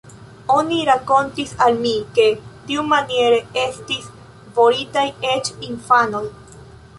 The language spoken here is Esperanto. Oni rakontis al mi, ke tiumaniere estis voritaj eĉ infanoj.